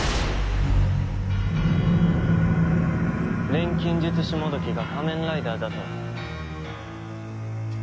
錬金術師もどきが仮面ライダーだと。